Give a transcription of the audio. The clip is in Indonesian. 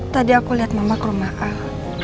tadi aku lihat mama ke rumah al